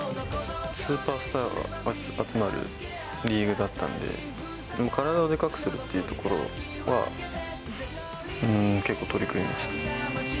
スーパースターが集まるリーグだったんで、体でかくするっていうところは、結構取り組みました。